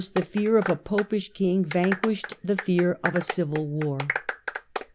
89 the fear of a Popish king vanquished the fear of a civil war.